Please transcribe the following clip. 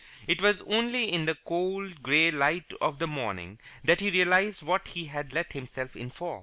It was only in the cold, grey light of the morning that he realized what he had let himself in for.